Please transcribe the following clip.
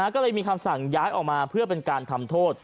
ก็เลยมีคำสั่งย้ายออกมาเพื่อเป็นการทำโทษ